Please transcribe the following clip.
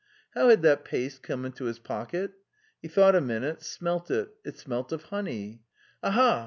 How had that paste come into his pocket? He thought a minute, smelt it; it smelt of honey. Aha!